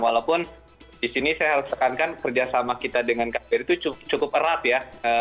walaupun di sini saya harus tekankan kerjasama kita dengan kbri itu cukup erat ya